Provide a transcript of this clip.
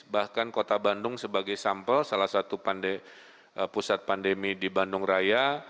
bahkan kota bandung sebagai sampel salah satu pusat pandemi di bandung raya